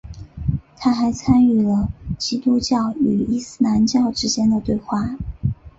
他还参与了基督教和伊斯兰教之间的对话。